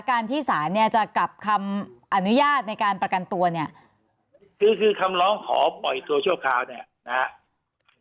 การที่ศาลเนี่ยจะกลับคำอนุญาตในการประกันตัวเนี่ยคือคือคำร้องขอปล่อยตัวชั่วคราวเนี่ยนะครับ